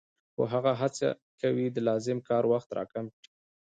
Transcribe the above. خو هغه هڅه کوي د لازم کار وخت را کم کړي